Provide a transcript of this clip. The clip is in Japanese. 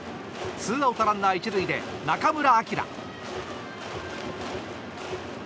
ツーアウト、ランナー１塁で中村晃。